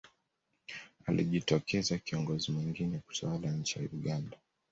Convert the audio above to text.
alijitokeza kiongozi mwingine kutawala nchi ya uganda